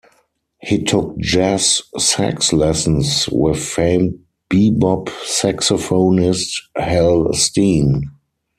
He took jazz sax lessons with famed Bebop saxophonist Hal Stein.